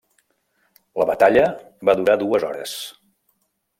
La batalla va durar dues hores.